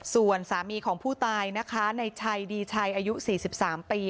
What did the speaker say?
ส่วนสามีของผู้ตายนะคะในชัยดีชัยอายุ๔๓ปี